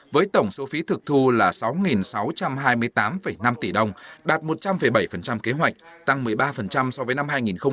với tổng số phí thực thu là sáu sáu trăm hai mươi tám năm tỷ đồng đạt một trăm linh bảy kế hoạch tăng một mươi ba so với năm hai nghìn một mươi bảy